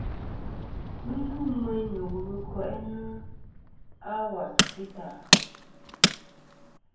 Ghɨ ndu meyn nɨ̀ wul ɨ ko'inɨ a wasà fità.